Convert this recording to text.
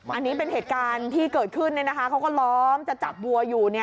อันนี้เป็นเหตุการณ์ที่เกิดขึ้นเขาก็ล้อมจะจับวัวอยู่